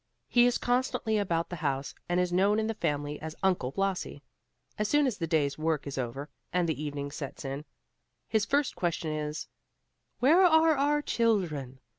He is constantly about the house, and is known in the family as Uncle Blasi. As soon as the day's work is over, and the evening sets in, his first question is, "Where are our children?"